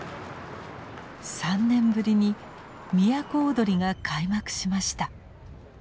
３年ぶりに都をどりが開幕しました。